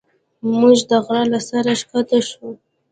موږ د غره له سره ښکته شوو.